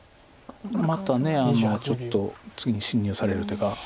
またちょっと次に侵入される手が。